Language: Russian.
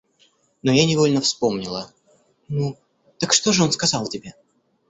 Но я невольно вспомнила... Ну, так что же он сказал тебе?